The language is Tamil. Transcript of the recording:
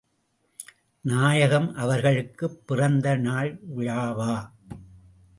நாயகம் அவர்களுக்குப் பிறந்த நாள் விழாவா?